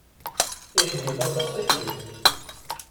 Iḥemmel aṭas taklut.